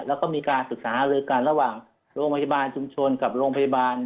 แล้วก็มีการศึกษาลือกันระหว่างโรงพยาบาลชุมชนกับโรงพยาบาล